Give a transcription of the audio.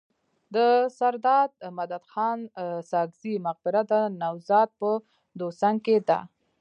د سرداد مددخان ساکزي مقبره د نوزاد په دوسنګ کي ده.